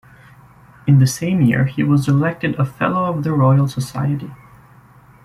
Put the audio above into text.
In the same year he was elected a Fellow of the Royal Society.